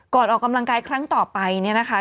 ออกกำลังกายครั้งต่อไปเนี่ยนะคะ